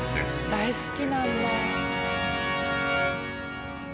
大好きなんだ。